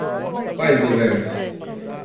Quais governos?